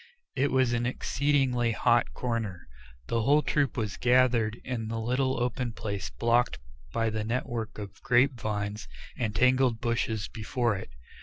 It was an exceedingly hot corner. The whole troop was gathered in the little open place blocked by the network of grape vines and tangled bushes before it.